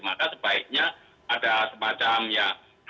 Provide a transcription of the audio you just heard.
maka sebaiknya ada semacam ya